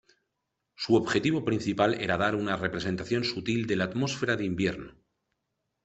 Su objetivo principal era dar una representación sutil de la atmósfera de invierno.